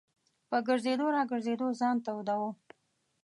په ګرځېدو را ګرځېدو ځان توداوه.